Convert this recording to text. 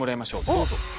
どうぞ。